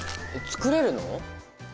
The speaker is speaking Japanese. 作れるの？